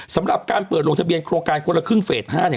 สำหรับการเปิดลงทะเบียนโครงการคนละครึ่งเฟส๕เนี่ย